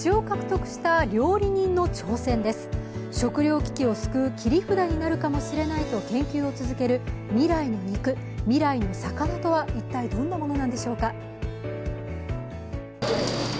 食料危機を救う切り札になるかもしれないと研究を続ける未来の肉、未来の魚とは一体どんなものなんでしょうか。